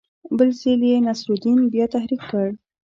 بل ځل یې نصرالدین بیا تحریک کړ.